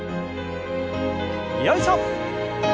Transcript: よいしょ！